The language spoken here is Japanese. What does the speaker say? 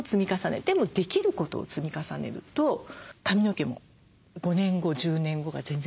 でもできることを積み重ねると髪の毛も５年後１０年後が全然変わってくると思います。